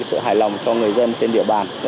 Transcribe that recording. sự hài lòng cho người dân trên địa bàn